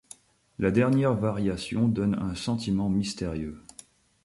La dernière variation donne un sentiment mystérieux.